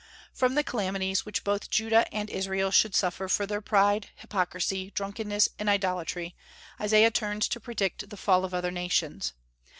From the calamities which both Judah and Israel should suffer for their pride, hypocrisy, drunkenness, and idolatry, Isaiah turns to predict the fall of other nations.